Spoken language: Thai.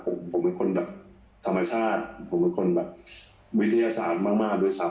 ผมผมเป็นคนแบบธรรมชาติผมเป็นคนแบบวิทยาศาสตร์มากมากด้วยซ้ำ